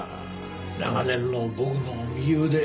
長年の僕の右腕。